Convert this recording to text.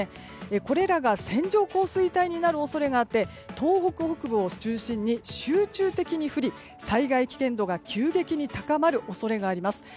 これらが線状降水帯になる恐れがあって東北北部を中心に集中的に降り災害危険度が急激に高まる恐れがあります。